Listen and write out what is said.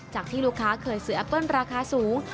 จากที่ลูกค้าเคยซื้อแอปเปิ้ลราคาสูง